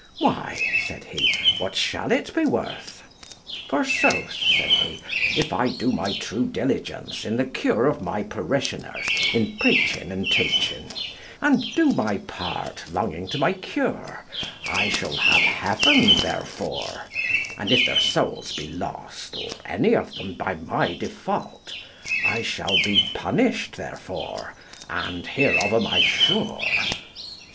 "Why," said he, "what shall it be worth?" "Forsooth," said he, "if I do my true diligence in the cure of my parishioners in preaching and teaching, and do my part longing to my cure, I shall have heaven therefore; and if their souls be lost, or any of them by my default, I shall be punished therefore, and hereof am I sure."